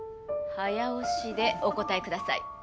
早押しでお答えください。